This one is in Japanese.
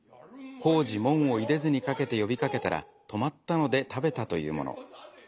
「好事門を出でず」に掛けて呼びかけたら止まったので食べたというもの。